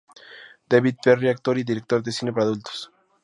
David Perry, actor y director de cine para adultos.